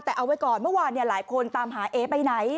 แต่เอาไว้ก่อนเมื่อวานหลายคนตามหาเอ๊ไปไหน